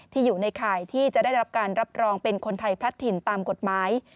ที่อยู่ในข่ายที่จะได้รับการรับรองเป็นคนไทยพลัดถิ่นตามกฎหมาย